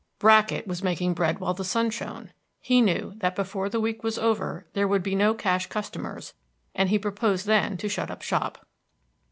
Brackett was making bread while the sun shone. He knew that before the week was over there would be no cash customers, and he purposed then to shut up shop.